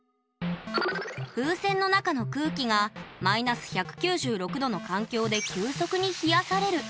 風船の中の空気がマイナス１９６℃の環境で急速に冷やされる。